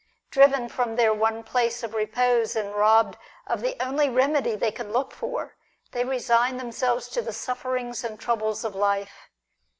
Driven from their one place of repose, and robbed of the only remedy they could look for, they resign themselves to the sufferings and troubles of life.